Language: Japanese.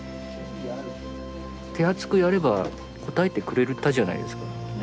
手厚くやれば応えてくれたじゃないですか。ね。